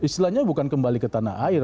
istilahnya bukan kembali ke tanah air